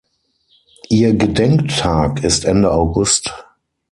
Ihr Gedenktag ist Ende August.